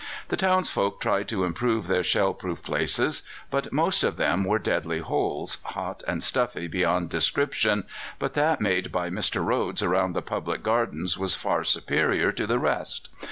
The townsfolk tried to improve their shell proof places, but most of them were deadly holes, hot and stuffy beyond description, but that made by Mr. Rhodes around the Public Gardens was far superior to the rest.